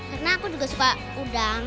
karena aku juga suka udang